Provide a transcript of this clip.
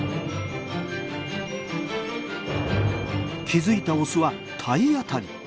気付いたオスは体当たり。